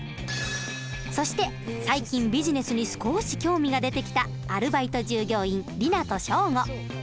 そして最近ビジネスに少し興味が出てきたアルバイト従業員莉奈と祥伍。